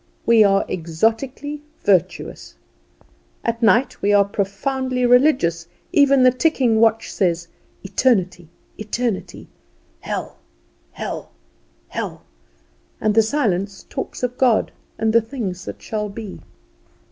We are exotically virtuous. At night we are profoundly religious; even the ticking watch says, "Eternity, eternity! hell, hell, hell!" and the silence talks of God, and the things that shall be.